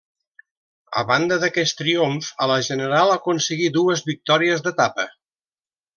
A banda d'aquest triomf a la general aconseguí dues victòries d'etapa.